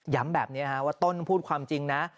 แบบนี้ว่าต้นพูดความจริงนะ